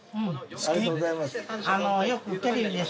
ありがとうございます。